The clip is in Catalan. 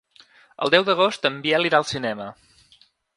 El deu d'agost en Biel irà al cinema.